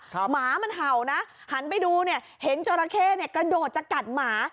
หมามันเห่านะหันไปดูเห็นจราเข้กระโดดจะกัดหมา